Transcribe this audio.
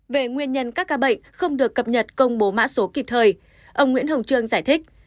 về nguyên nhân các ca bệnh không được cập nhật công bố mã số kịp thời ông nguyễn hồng trương giải thích